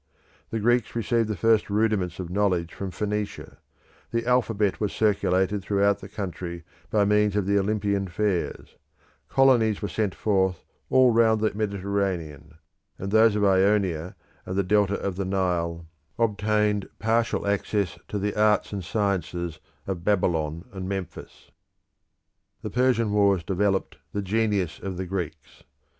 The Greeks received the first rudiments of knowledge from Phoenicia; the alphabet was circulated throughout the country by means of the Olympian fairs; colonies were sent forth all round the Mediterranean; and those of Ionia and the Delta of the Nile obtained partial access to the arts and sciences of Babylon and Memphis. The Persian wars developed the genius of the Greeks.